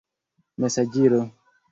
mesaĝilo